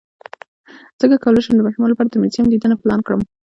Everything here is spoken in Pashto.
څنګه کولی شم د ماشومانو لپاره د موزیم لیدنه پلان کړم